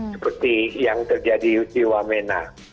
seperti yang terjadi di wamena